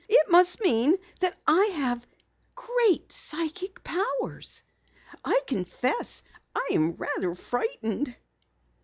"It must mean that I have great psychic powers. I confess I am rather frightened."